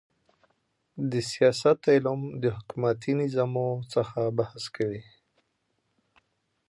د سیاست علم د حکومتي نظامو څخه بحث کوي.